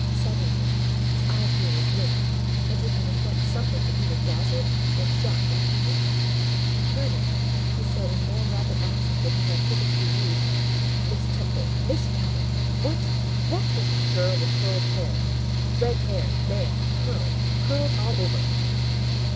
Suddenly his eye gave a blink, as if it had met something that either dazzled or shocked its pupil; turning, he said in more rapid accents than he had hitherto used— "Miss Temple, Miss Temple, what—what is that girl with curled hair? Red hair, ma'am, curled—curled all over?"